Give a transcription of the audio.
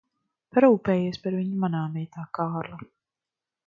Parūpējies par viņu manā vietā, Kārli.